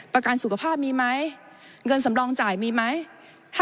ประการสุขภาพมีมั้ยเงินสำรองจ่ายมีมั้ย